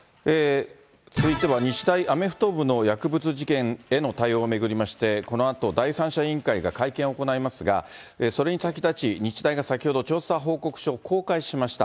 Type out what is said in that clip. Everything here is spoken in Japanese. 続いては日大アメフト部の薬物事件への対応を巡りまして、このあと第三者委員会が会見を行いますが、それに先立ち、日大が先ほど、調査報告書を公開しました。